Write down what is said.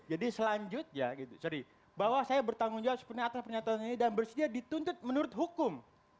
jadi selanjutnya bahwa saya bertanggung jawab sepenuhnya atas pernyataan ini dan bersedia dituntut menurut hukum